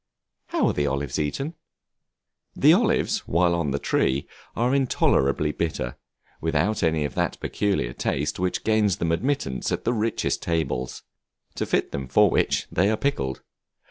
How are the Olives eaten? The olives while on the tree are intolerably bitter, without any of that peculiar taste which gains them admittance at the richest tables; to fit them for which they are pickled.